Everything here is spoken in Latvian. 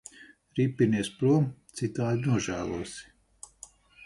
Ripinies prom, citādi nožēlosi.